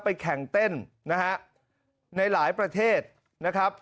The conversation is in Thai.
แข่งเต้นนะฮะในหลายประเทศนะครับ